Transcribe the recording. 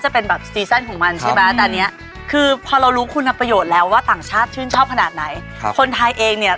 เป็นแปดหลักขนาดนี้